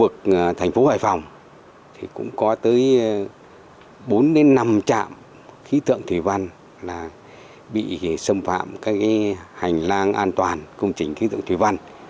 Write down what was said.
bốn năm chạm khí tượng thủy văn bị xâm phạm các hành lang an toàn công trình khí tượng thủy văn